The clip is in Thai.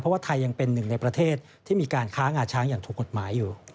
เพราะว่าไทยยังเป็นหนึ่งในประเทศที่มีการค้างงาช้างอย่างถูกกฎหมายอยู่